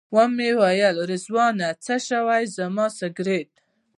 ومې ویل رضوانه څه شو زما سګرټ.